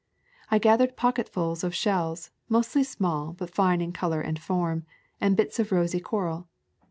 I gathered pocketfuls of shells, mostly small but fine in color and form, and bits of rosy coral.